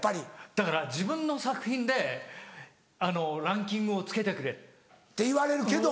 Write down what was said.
だから「自分の作品でランキングをつけてくれ」。って言われるけど。